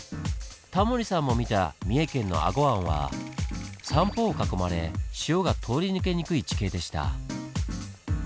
タモリさんも見た三重県の英虞湾は三方を囲まれ潮が通り抜けにくい地形でした。